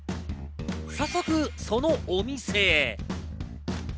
早速そのお店へ。